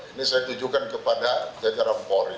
ini saya tujukan kepada jajaran polri